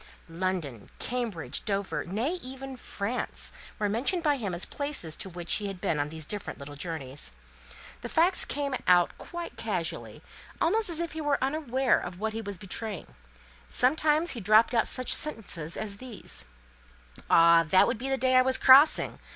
London, Cambridge, Dover, nay, even France, were mentioned by him as places to which he had been on these different little journeys. These facts came out quite casually, almost as if he was unaware of what he was betraying. Sometimes he dropped out such sentences as these: "Ah, that would be the day I was crossing!